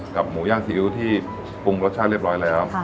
หมูย่างซีอิ๊วที่ปรุงรสชาติเรียบร้อยแล้ว